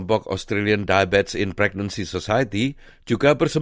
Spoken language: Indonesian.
berjalan ke tempat yang tiga jam persis